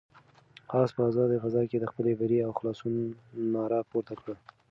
آس په آزاده فضا کې د خپل بري او خلاصون ناره پورته کړه.